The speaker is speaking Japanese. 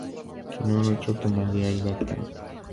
きのうの、ちょっと投げやりだったね。